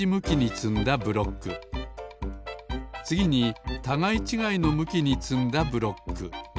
つぎにたがいちがいのむきにつんだブロック。